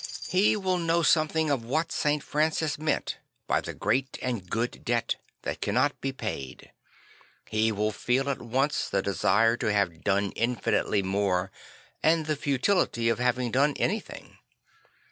He will know something of what St. Francis meant by the great and good debt that cannot be paid. He will feel at once the desire to ha ve done infinitely more and the futility of ha ving done anything.